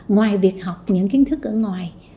ngoài việc học những kiến thức ở ngoài